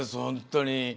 本当に。